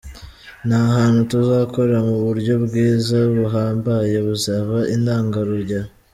Ni ahantu tuzakora mu buryo bwiza, buhambaye, buzaba intangarugero.